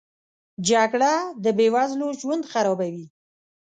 جګړه د بې وزلو ژوند خرابوي